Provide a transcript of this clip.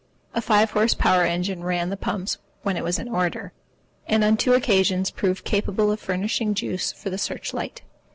A five horse power engine ran the pumps when it was in order, and on two occasions proved capable of furnishing juice for the search light.